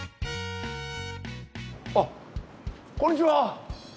あっこんにちは。